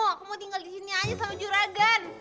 aku mau tinggal disini aja sama juragan